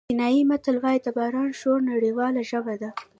چینایي متل وایي د باران شور نړیواله ژبه ده.